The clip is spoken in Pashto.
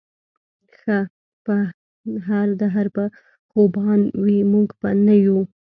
پۀ هر دهر به خوبان وي مونږ به نۀ يو